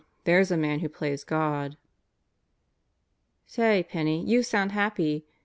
There's a man who plays God." "Say, Penney, you sound happy.